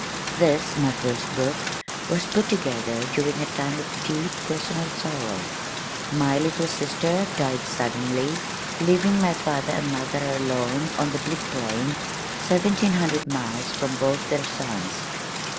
This, my first book, was put together during a time of deep personal sorrow. My little sister died suddenly, leaving my father and mother alone on the bleak plain, seventeen hundred miles from both their sons.